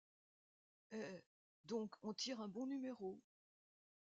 Eh! donc, on tire un bon numéro !